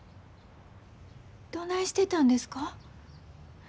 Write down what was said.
どないしてたんですか？